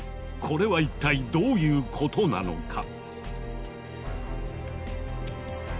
これは一体どういうことなのか？